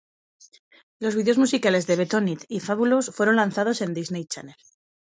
Los vídeos musicales de "Bet On It" y "Fabulous" fueron lanzados en Disney Channel.